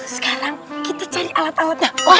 sekarang kita cari alat alatnya